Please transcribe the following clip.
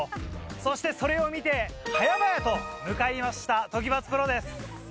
そしてそれを見て早々と向かいました時松プロです。